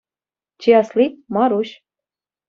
Чи асли – Маруҫ.